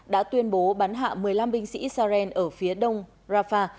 đã tuyên bố bắn hạ một mươi năm binh sĩ israel ở phía đông rafah